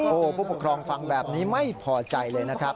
โอ้โหผู้ปกครองฟังแบบนี้ไม่พอใจเลยนะครับ